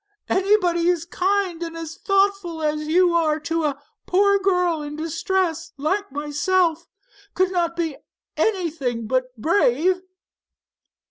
Anybody as kind and thoughtful as you are to a poor girl in distress like myself, could not be anything but brave."